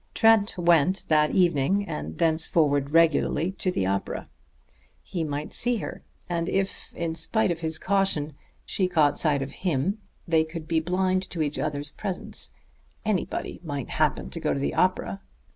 Trent went that evening, and thenceforward regularly, to the opera. He might see her; and if, in spite of his caution, she caught sight of him, they could be blind to each other's presence anybody might happen to go to the opera.